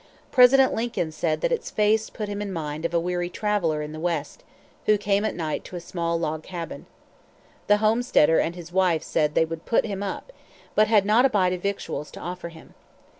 President Lincoln said that its face put him in mind of a weary traveler in the West, who came at night to a small log cabin. The homesteader and his wife said they would put him up, but had not a bite of victuals to offer him.